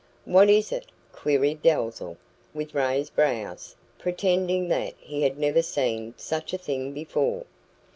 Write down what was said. "What is it?" queried Dalzell, with raised brows, pretending that he had never seen such a thing before.